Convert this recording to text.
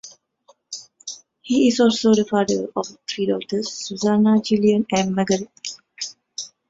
He is also the father of three daughters- Suzanna, Jillian, and Margaret.